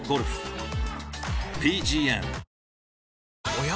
おや？